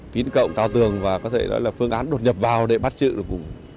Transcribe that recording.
tín cộng cao tường và có thể nói là phương án đột nhập vào để bắt chữ